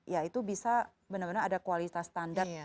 ya itu bisa benar benar ada kualitas standar